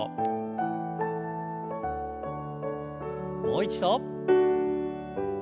もう一度。